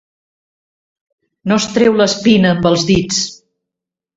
No es treu l'espina amb els dits.